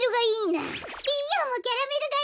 ピーヨンもキャラメルがいい！